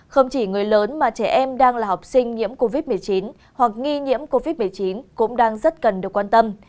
không chỉ người lớn mà trẻ em đang là học sinh nhiễm covid một mươi chín hoặc nghi nhiễm covid một mươi chín cũng đang rất cần được quan tâm